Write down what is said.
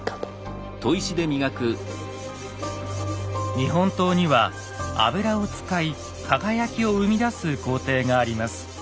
日本刀には油を使い輝きを生み出す工程があります。